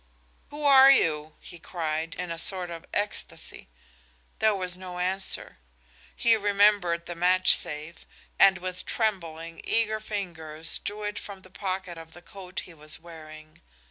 "Who are you?" he cried, in a sort of ecstacy. There was no answer. He remembered his matchsafe, and with trembling, eager fingers drew it from the pocket of the coat he was wearing.